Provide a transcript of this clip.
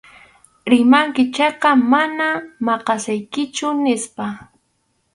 Rimanki chayqa mana maqasaykichu, nispa.